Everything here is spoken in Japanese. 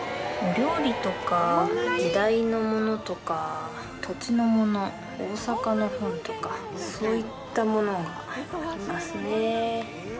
料理とか、時代のものとか、土地のもの、大阪の本とか、そういったものがありますね。